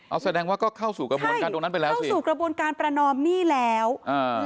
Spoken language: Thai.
เอาแสดงว่าก็เข้าสู่กระบวนการตรงนั้นไปแล้วสิสู่กระบวนการประนอมหนี้แล้วอ่า